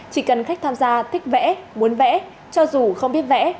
chỉ cần khách tham gia thích vẽ muốn vẽ cho dù không biết vẽ